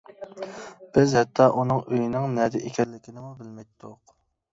بىز ھەتتا ئۇنىڭ ئۆيىنىڭ نەدە ئىكەنلىكىنىمۇ بىلمەيتتۇق.